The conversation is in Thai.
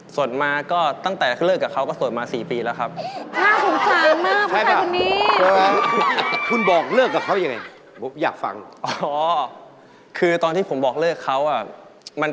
สดมาก็ตั้งแต่เลิกกับเขาก็โสดมา๔ปีแล้วครับ